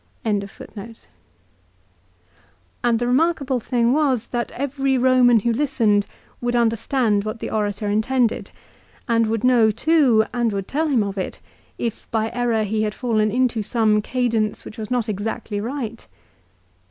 l And the remarkable thing was, that every Roman who listened would understand what the orator intended, and would know too, and would tell him of it, if by error he had fallen into some cadence which was not exactly right.